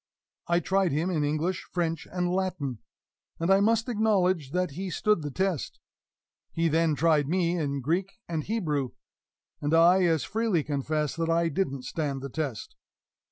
I tried him in English, French and Latin, and I must acknowledge that he stood the test; he then tried me in Greek and Hebrew, and I as freely confess that I didn't stand the test.